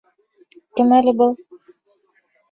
Кем әле был?